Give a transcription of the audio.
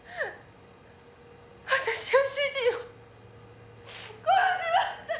「私は主人を殺しました！」